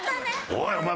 おいお前